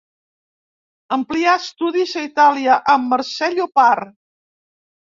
Amplià estudis a Itàlia amb Mercè Llopart.